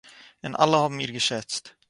און אַלע האָבן איר געשעצט